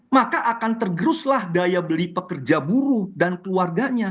maka akan tergeruslah daya beli pekerja buruh dan keluarganya